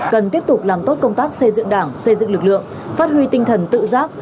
cần tiếp tục làm tốt công tác xây dựng đảng xây dựng lực lượng phát huy tinh thần tự giác